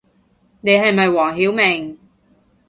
你係咪黃曉明